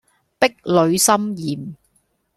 壁壘森嚴